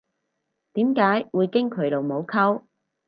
點解會經佢老母溝